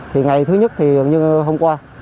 thì ngày thứ nhất thì như hôm qua